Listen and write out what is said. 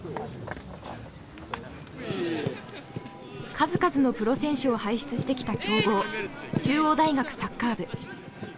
数々のプロ選手を輩出してきた強豪中央大学サッカー部。